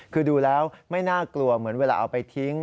คือดูแล้วไม่น่ากลัวเหมือนเวลาเอาไปทิ้ง